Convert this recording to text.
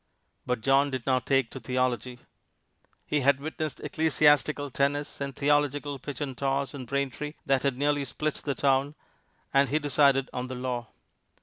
But John did not take to theology. He had witnessed ecclesiastical tennis and theological pitch and toss in Braintree that had nearly split the town, and he decided on the law.